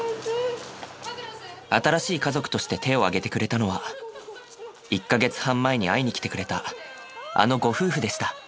新しい家族として手を挙げてくれたのは１か月半前に会いに来てくれたあのご夫婦でした。